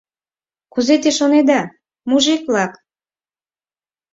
Кузе те шонеда, мужик-влак?